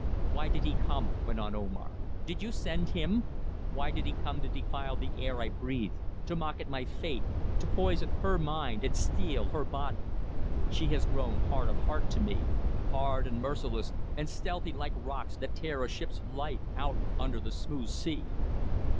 "Why did he come?" went on Omar. "Did you send him? Why did he come to defile the air I breathe to mock at my fate to poison her mind and steal her body? She has grown hard of heart to me. Hard and merciless and stealthy like rocks that tear a ship's life out under the smooth sea."